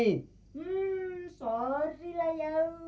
hmm sorry lah ya